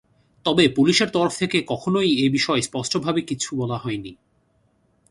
তবে পুলিশের তরফ থেকে কখনোই এ বিষয়ে স্পষ্টভাবে কিছু বলা হয়নি।